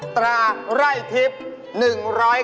ตราไร่ทิพย์